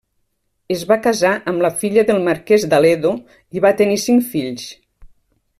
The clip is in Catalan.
Es va casar amb la filla del marquès d'Aledo i va tenir cinc fills.